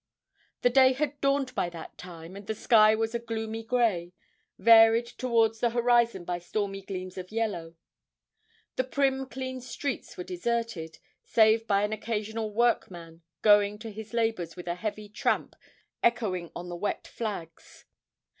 The day had dawned by that time, and the sky was a gloomy grey, varied towards the horizon by stormy gleams of yellow; the prim clean streets were deserted, save by an occasional workman going to his labours with a heavy tramp echoing on the wet flags.